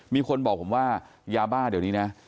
มีคนบอกผมว่ายาบ้าเดี๋ยวนี้นะ